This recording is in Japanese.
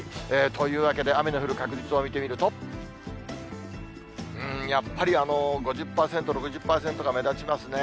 というわけで、雨の降る確率を見てみると、やっぱり５０％、６０％が目立ちますね。